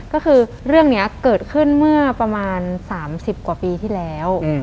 ก็คือเรื่องนี้เกิดขึ้นเมื่อประมาณ๓๐กว่าปีที่แล้ว